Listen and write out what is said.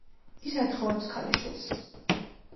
ის ათხოვებს ქალიშვილს.